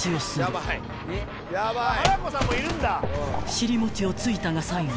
［尻もちをついたが最後］